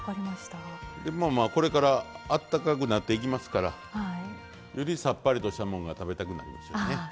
まあまあこれからあったかくなっていきますからよりさっぱりとしたもんが食べたくなりますよね。